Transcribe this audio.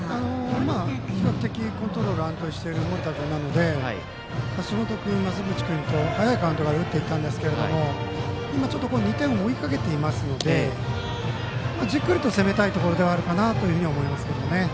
比較的コントロール安定している盛田君なので増渕君なと早いカウントから打っていったんですけど２点を追いかけていますからじっくり攻めたいところかなと思います。